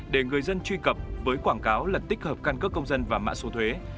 để người dân truy cập với quảng cáo là tích hợp căn cấp công dân và mạng số thuế